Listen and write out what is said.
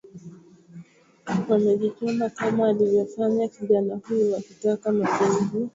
wamejichoma kama alivyofanya kijana huyu wakitaka mageuzi